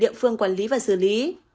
địa phương quản lý và xử lý